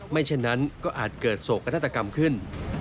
ไม่เช่นนั้นก็อาจเกิดโศกกระทะกรรมขึ้น